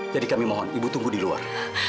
kami mohon ibu tunggu di luar